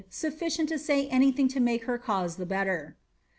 safficient to say any thing to make her cause the better."